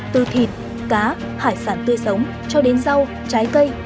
từ thịt cá hải sản tươi sống cho đến rau trái cây